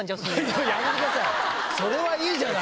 それはいいじゃない！